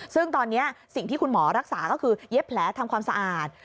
ซึ่งตอนนี้สิ่งที่คุณหมอรักษาก็คือเย็บแผลทำความสะอาด